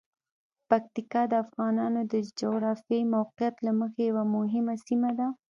پکتیکا د افغانانو د جغرافیايی موقعیت له مخې یوه مهمه سیمه ده.